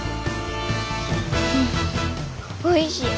おいしい。